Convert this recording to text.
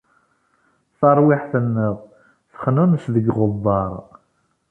Tarwiḥt-nneɣ texnunes deg uɣebbar.